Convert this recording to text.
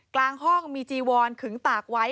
กลางห้องมีจีวอนขึงตากไว้